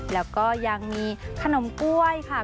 แล้วก็ยังมีขนมกล้วยค่ะ